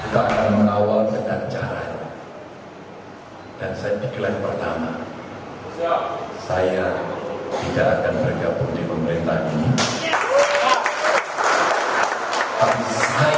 saya tidak akan bergabung di pemerintahan ini